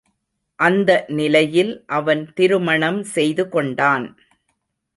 அந்த நிலையில் அவன் திருமணம் செய்து கொண்டான்.